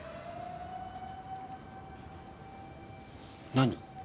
何？